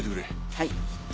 はい。